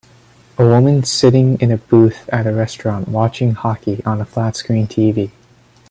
A woman sitting in a booth at a restaurant watching hockey on a flat screen TV